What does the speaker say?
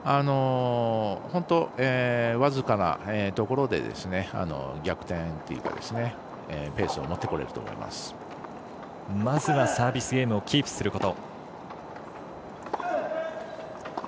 本当、僅かなところで逆転というかまずはサービスゲームをキープすること。